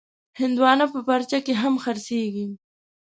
هندوانه په پارچه کې هم خرڅېږي.